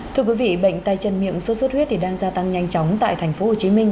thưa quý vị bệnh tay chân miệng suốt suốt huyết đang gia tăng nhanh chóng tại thành phố hồ chí minh